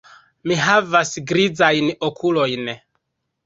Mi havas grizajn okulojn.